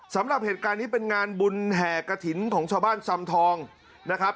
สำหรับเหตุการณ์นี้เป็นงานบุญแห่กระถิ่นของชาวบ้านสำทองนะครับ